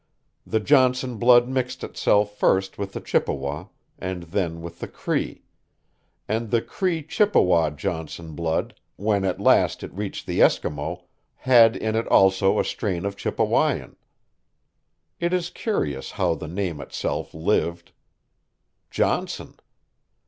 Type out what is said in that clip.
The Johnson blood mixed itself first with the Chippewa, and then with the Cree and the Cree Chippewa Johnson blood, when at last it reached the Eskimo, had in it also a strain of Chippewyan. It is curious how the name itself lived. Johnson!